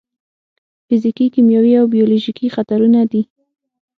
فزیکي، کیمیاوي او بیولوژیکي خطرونه دي.